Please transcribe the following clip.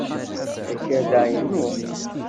Akal-a inu.